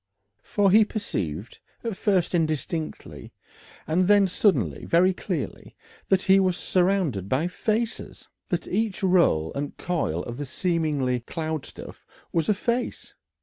For he perceived, at first indistinctly, and then suddenly very clearly, that he was surrounded by faces! that each roll and coil of the seeming cloud stuff was a face.